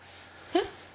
えっ？